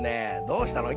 どうしたの？